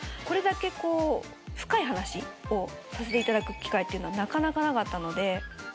これだけこう深い話をさせていただく機会っていうのはなかなかなかったので。